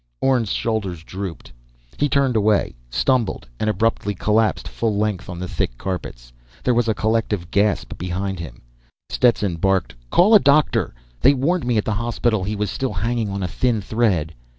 Orne's shoulders drooped. He turned away, stumbled, and abruptly collapsed full length on the thick carpets. There was a collective gasp behind him. Stetson barked: "Call a doctor! They warned me at the hospital he was still hanging on a thin thread!"